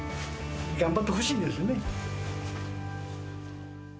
頑張ってほしいですね。